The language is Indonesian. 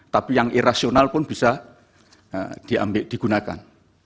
tapi yang irasional pun bisa digunakan